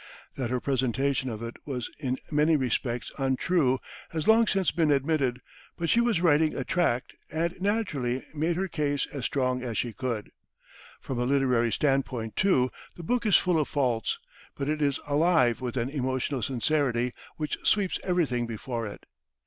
That her presentation of it was in many respects untrue has long since been admitted, but she was writing a tract and naturally made her case as strong as she could. From a literary standpoint, too, the book is full of faults; but it is alive with an emotional sincerity which sweeps everything before it.